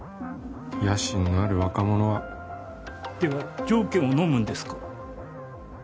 野心のある若者はでは条件をのむんですか？